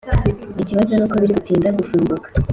Ikibazo nuko biri gutinda gufunguka